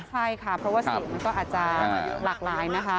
ใช่ค่ะเพราะว่าเสียงมันก็อาจจะหลากหลายนะคะ